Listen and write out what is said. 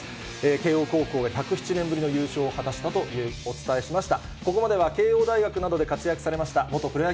慶応高校が１０７年ぶりの優勝を果たしたとお伝えしました。